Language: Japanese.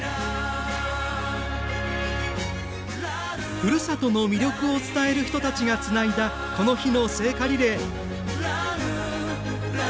ふるさとの魅力を伝える人たちがつないだ、この日の聖火リレー。